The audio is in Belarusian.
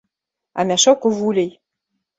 А мяшок у вулей!